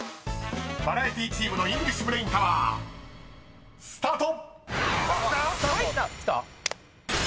バラエティチームのイングリッシュブレインタワースタート！］